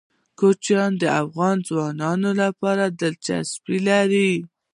کوچیان د افغان ځوانانو لپاره دلچسپي لري.